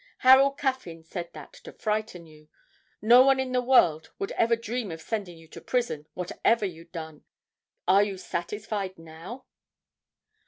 Harold Caffyn said that to frighten you. No one in the world would ever dream of sending you to prison, whatever you'd done. Are you satisfied now?'